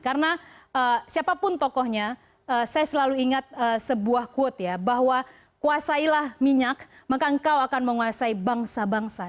karena siapapun tokohnya saya selalu ingat sebuah quote ya bahwa kuasailah minyak maka engkau akan menguasai bangsa bangsa